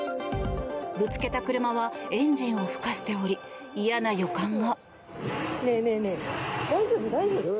ぶつけた車はエンジンを吹かしており嫌な予感が。